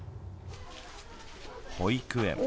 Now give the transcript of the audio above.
保育園。